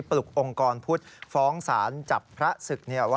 ปลุกองค์กรพุทธฟ้องศาลจับพระศึก